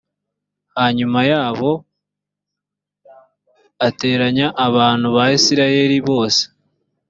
hanyuma yabo ateranya abantu ba isirayeli bose